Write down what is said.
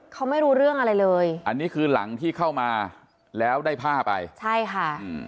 เขาไม่รู้เรื่องอะไรเลยอันนี้คือหลังที่เข้ามาแล้วได้ผ้าไปใช่ค่ะอืม